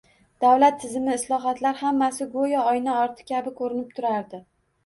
Davlat tizimi, islohotlar – hammasi go‘yo oyna orti kabi ko‘rinib turardi.